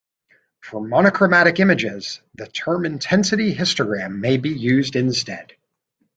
For monochromatic images, the term intensity histogram may be used instead.